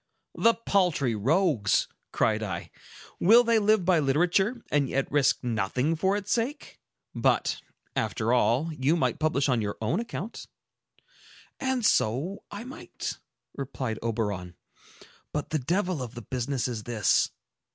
"The paltry rogues!" cried I. "Will they live by literature, and yet risk nothing for its sake? But, after all, you might publish on your own account." "And so I might," replied Oberon. "But the devil of the business is this.